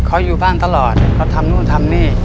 เขาอยู่บ้านตลอดเขาทำนู่นทำนี่